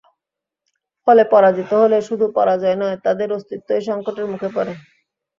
ফলে পরাজিত হলে শুধু পরাজয় নয়, তাদের অস্তিত্বই সংকটের মুখে পড়ে।